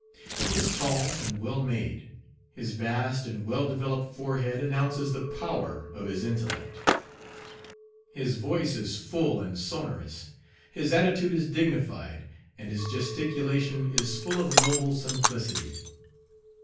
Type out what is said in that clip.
He is tall and well made. His vast and well developed forehead announces the power of his intellect. His voice is full and sonorous. His attitude is dignified, and his gesticulation is full of noble simplicity.